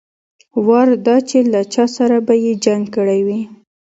وار دا چې له چا سره به يې جنګ کړى وي.